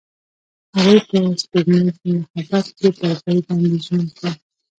هغوی په سپوږمیز محبت کې پر بل باندې ژمن شول.